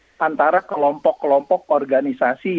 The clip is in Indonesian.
dan menjembatani antara kelompok kelompok organisasi yang sudah eksis